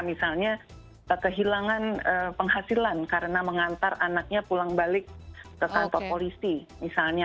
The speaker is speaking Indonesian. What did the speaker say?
misalnya kehilangan penghasilan karena mengantar anaknya pulang balik ke kantor polisi misalnya